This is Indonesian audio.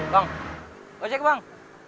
bang ojek bang